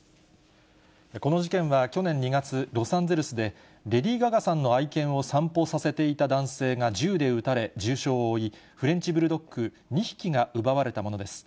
この事件は去年２月、ロサンゼルスで、レディー・ガガさんの愛犬を散歩させていた男性が銃で撃たれ重傷を負い、フレンチブルドッグ２匹が奪われたものです。